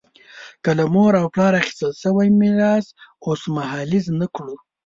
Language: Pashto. که له مور او پلار اخیستل شوی میراث اوسمهالیز نه کړو.